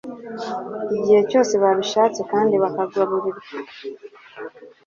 igihe cyose babishatse kandi bakagaburirwa